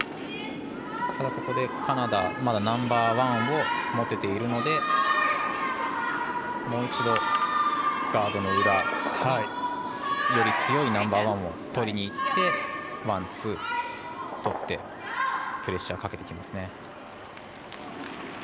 ここでカナダまだナンバーワン持てているのでもう一度ガードの裏により強いナンバーワンをとりにいってワン、ツーとってプレッシャーをかけてきますね。